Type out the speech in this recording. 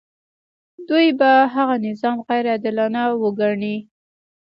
دوی به هغه نظام غیر عادلانه وګڼي.